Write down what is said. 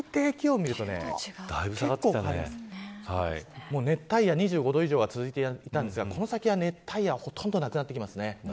最低気温を見ると熱帯夜２５度以上が続いていたんですがこの先は熱帯夜はほとんどなくなってきます。